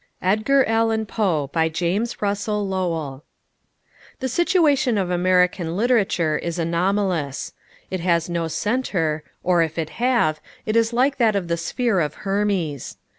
R. EDGAR ALLAN POE By James Russell Lowell The situation of American literature is anomalous. It has no centre, or, if it have, it is like that of the sphere of Hermes.